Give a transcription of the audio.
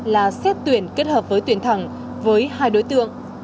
là xét tuyển kết hợp với tuyển thẳng với hai đối tượng